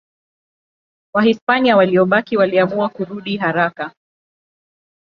Wahispania waliobaki waliamua kurudi haraka.